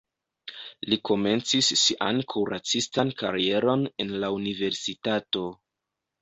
Li komencis sian kuracistan karieron en la universitato.